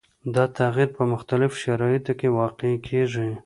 دا تغیر په مختلفو شرایطو کې واقع کیږي.